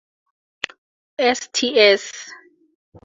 Sts.